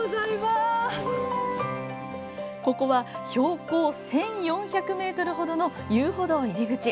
ここは標高１４００ｍほどの遊歩道入り口。